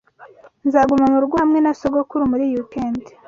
Nzaguma murugo hamwe na sogokuru muri iyi weekend.